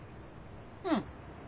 うん。